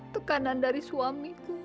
tekanan dari suamiku